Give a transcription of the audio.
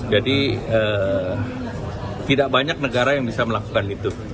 jadi tidak banyak negara yang bisa melakukan itu